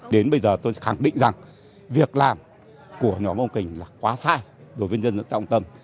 đến bây giờ tôi khẳng định rằng việc làm của nhóm ông kỳnh là quá sai đối với nhân dân xã đồng tâm